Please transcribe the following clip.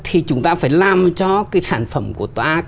thì chúng ta phải làm cho cái sản phẩm của tòa